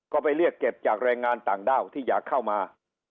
ก็ไปเรียกเก็บจากแรงงานต่างด้าวที่อยากเข้ามา